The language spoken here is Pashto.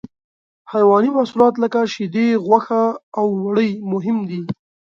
حیواني محصولات لکه شیدې، غوښه او وړۍ مهم دي.